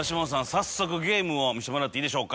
早速ゲームを見せてもらっていいでしょうか？